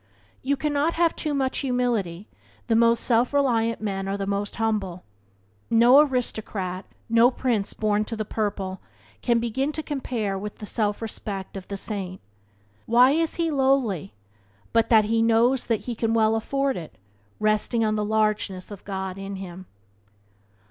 You cannot have too much humility; the most self reliant men are the most humble. "No aristocrat, no prince born to the purple, can begin to compare with the self respect of the saint. Why is he lowly, but that he knows that he can well afford it, resting on the largeness of God in him."